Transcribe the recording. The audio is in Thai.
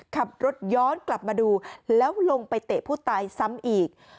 ขับรถย้อนกลับมาดูแล้วลงไปเตะผู้ตายซ้ำอีก